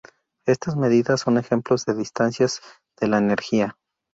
Estas medidas son ejemplos de distancias de la energía.